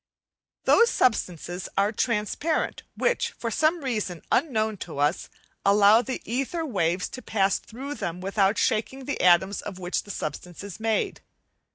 Those substances are transparent which, for some reason unknown to us, allow the ether waves to pass through them without shaking the atoms of which the substance is made.